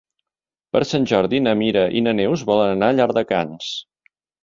Per Sant Jordi na Mira i na Neus volen anar a Llardecans.